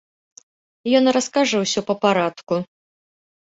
Ён раскажа ўсё па парадку.